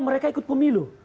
mereka ikut pemilu